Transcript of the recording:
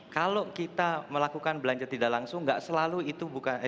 kalau kita melakukan belanja tidak langsung nggak selalu itu bukan